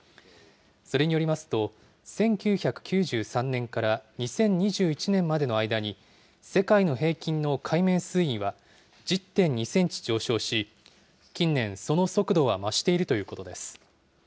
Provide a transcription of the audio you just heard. それによりますと、１９９３年から２０２１年までの間に、世界の平均の海面水位は、１０．２センチ上昇し、近年、その速度は増しているということです。